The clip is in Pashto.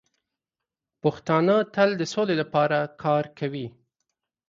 پښتانه تل د سولې لپاره کار کوي.